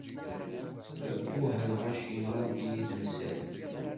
Abbuh a lɣaci, nɣant-iyi temsal.